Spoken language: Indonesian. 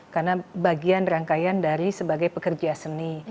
karena bagian rangkaian dari sebagai pekerja seni